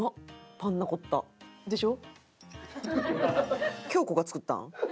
パンナコッタ。でしょ？